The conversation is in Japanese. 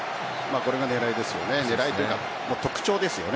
これが狙いですよね。